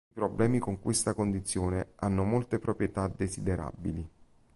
I problemi con questa condizione hanno molte proprietà desiderabili.